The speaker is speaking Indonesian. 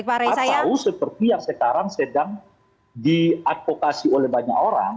atau seperti yang sekarang sedang diadvokasi oleh banyak orang